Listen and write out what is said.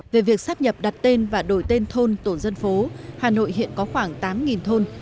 về việc sắp nhập đặt tên và đổi tên thôn tổ dân phố hà nội hiện có khoảng tám thôn